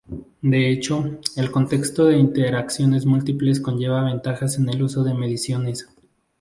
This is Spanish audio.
De hecho, el contexto de iteraciones múltiples conlleva ventajas en el uso de mediciones.